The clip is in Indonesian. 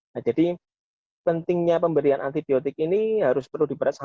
nah jadi pentingnya pemberian antibiotik ini harus perlu diperhatikan